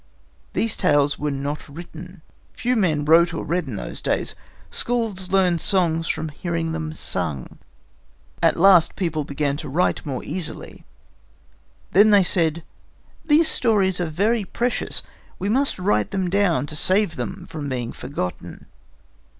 These tales were not written. Few men wrote or read in those days. Skalds learned songs from hearing them sung. At last people began to write more easily. Then they said: "These stories are very precious. We must write them down to save them from being forgotten."